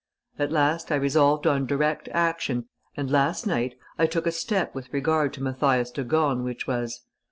At last I resolved on direct action and last night I took a step with regard to Mathias de Gorne which was